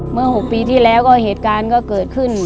เมื่อ๖ปีที่แล้วก็เหตุการณ์ก็เกิดขึ้น